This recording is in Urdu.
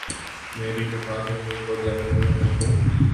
میں بھی نفاذ شریعت کا مفہوم طے کرنے سے معذور ہوں۔